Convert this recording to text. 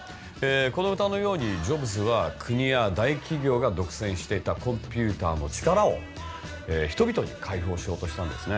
この歌のようにジョブズは国や大企業が独占していたコンピューターの力を人々に開放しようとしたんですね。